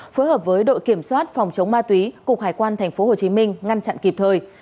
phối hợp với đội kiểm soát phòng chống ma túy cục hải quan tp hcm ngăn chặn kịp thời